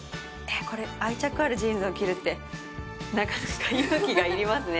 これ愛着あるジーンズを切るってなかなか勇気がいりますね。